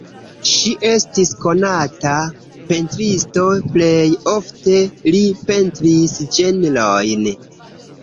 Ŝi estis konata pentristo, plej ofte li pentris ĝenrojn.